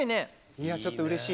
いやちょっとうれしい。